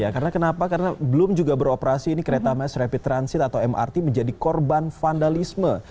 karena kenapa karena belum juga beroperasi ini kereta mass rapid transit atau mrt menjadi korban vandalisme